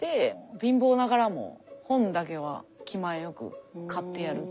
貧乏ながらも本だけは気前よく買ってやるっていうのを。